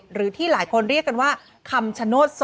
หรือที่หลายคนเรียกกันว่าคำชโนธ๒